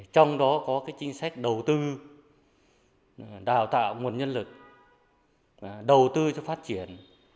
trong đó có chính sách đầu tư đào tạo nguồn nhân lực đầu tư cho phát triển